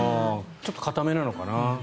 ちょっと硬めなのかな。